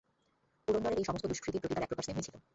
পুরন্দরের এই-সমস্ত দুষ্কৃতির প্রতি তাঁর একপ্রকার স্নেহই ছিল।